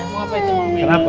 mau apa itu